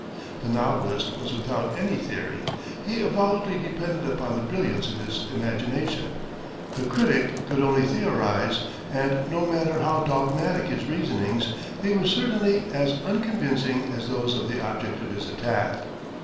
The novelist was without any theory: he avowedly depended upon the brilliance of his imagination. The critic could only theorise, and no matter how dogmatic his reasonings, they were certainly as unconvincing as those of the object of his attack.